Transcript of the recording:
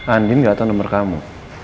andien gak tau nomor kamu